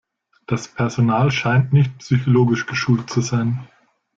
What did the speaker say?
Das Personal scheint nicht psychologisch geschult zu sein.